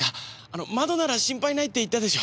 窓なら心配ないって言ったでしょ。